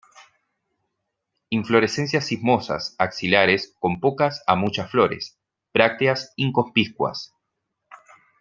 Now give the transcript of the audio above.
Inflorescencias cimosas, axilares, con pocas a muchas flores; brácteas inconspicuas.